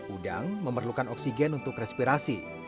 udang memerlukan oksigen untuk respirasi